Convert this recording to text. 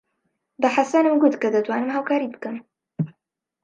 بە حەسەنم گوت کە دەتوانم هاوکاریت بکەم.